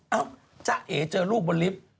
เอ้าจ๊ะเอ๋เจอลูกบนลิฟต์